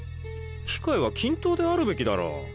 機会は均等であるべきだろ？